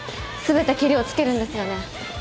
全てけりをつけるんですよね？